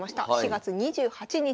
４月２８日。